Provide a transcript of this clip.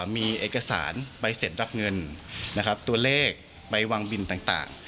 มีเอกสารใบเสร็จรับเงินตัวเลขใบวางบินต่าง